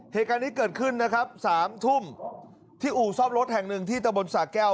เหตุการณ์นี้เกิดขึ้นนะครับสามทุ่มที่อู่ซ่อมรถแห่งหนึ่งที่ตะบนสาแก้ว